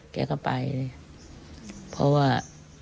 แกก็ไปเลยเพราะว่า